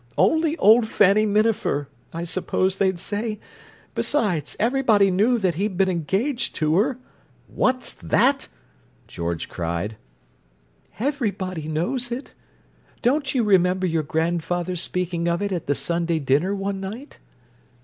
'Only old Fanny Minafer,' I suppose they'd say! Besides, everybody knew that he'd been engaged to her—" "What's that?" George cried. "Everybody knows it. Don't you remember your grandfather speaking of it at the Sunday dinner one night?"